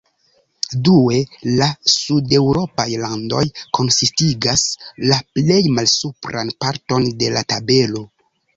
Due, la sudeŭropaj landoj konsistigas la plej malsupran parton de la tabelo.